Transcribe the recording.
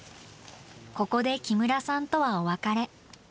ここで木村さんとはお別れ。